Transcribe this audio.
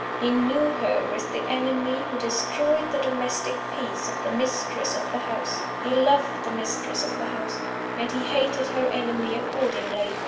He knew her as the enemy who destroyed the domestic peace of the mistress of the house; he loved the mistress of the house and he hated her enemy accordingly.